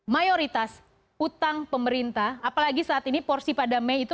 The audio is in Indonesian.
mayoritas utang pemerintah apalagi saat ini porsi pada mei itu